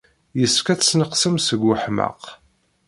Yessefk ad tesneqsem seg weḥmaq.